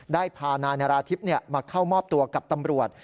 ได้พานายนาราธิบมาเข้ามอบตัวกับตำรวจ